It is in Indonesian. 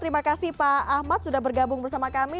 terima kasih pak ahmad sudah bergabung bersama kami